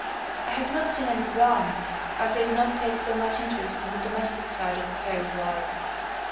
I have not seen any browTiies, as I do not take so much interest in the domestic side of the fairies' life.